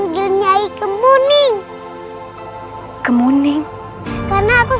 ada yang kian santang